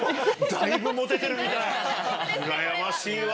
だいぶモテてるみたい。